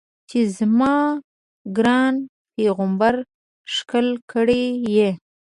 چې زما ګران پیغمبر ښکل کړی یې.